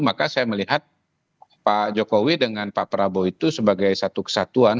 maka saya melihat pak jokowi dengan pak prabowo itu sebagai satu kesatuan